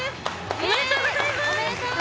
ありがとうございます。